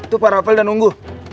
itu pak rafael udah nunggu